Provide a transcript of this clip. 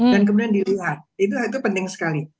dan kemudian dilihat itu penting sekali